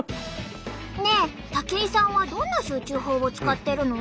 ねえ武井さんはどんな集中法を使ってるの？